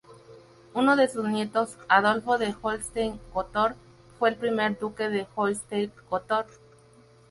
Uno de sus nietos, Adolfo de Holstein-Gottorp fue el primer duque de Holstein-Gottorp.